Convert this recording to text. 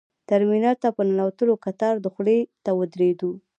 ترمینل ته په ننوتلو کتار دخولي ته ودرېدو.